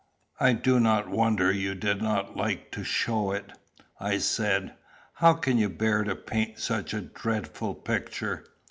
"I do not wonder you did not like to show it," I said. "How can you bear to paint such a dreadful picture?"